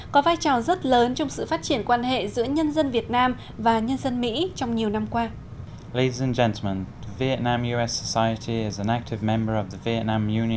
có vai trò rất lớn trong sự phát triển quan hệ giữa nhân dân việt nam và nhân dân mỹ trong nhiều năm qua